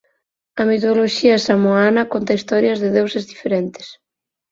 A Mitoloxía samoana conta historias de deuses diferentes.